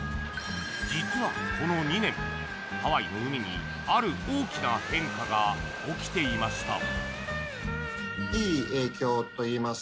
実はこの２年、ハワイの海にある大きな変化が起きていました。